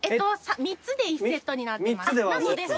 ３つで１セットになってます。